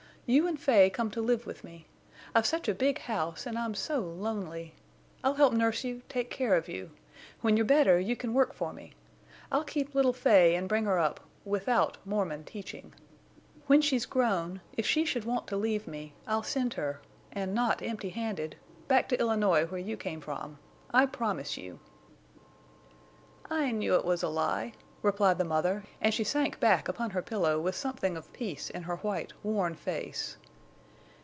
You and Fay come to live with me. I've such a big house, and I'm so lonely. I'll help nurse you, take care of you. When you're better you can work for me. I'll keep little Fay and bring her up—without Mormon teaching. When she's grown, if she should want to leave me, I'll send her, and not empty handed, back to Illinois where you came from. I promise you." "I knew it was a lie," replied the mother, and she sank back upon her pillow with something of peace in her white, worn face.